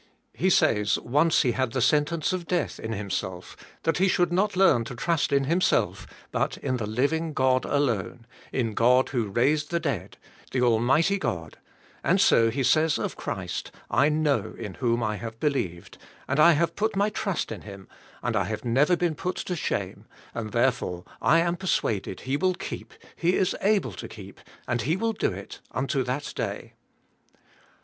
He says once he had the sentence of death in himself that he should not learn to trust in himself, but in the living God alone, in God who raised the dead, the Almighty God, and so he says of Christ, *'I know in whom I have believed, and I have put my trust in Him, and I have never been put to shame and therefore I am persuaded He will keep. He is able to keep, and He will do it, unto that day."